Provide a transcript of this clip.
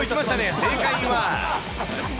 正解は。